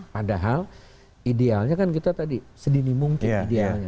padahal idealnya kan kita tadi sedini mungkin idealnya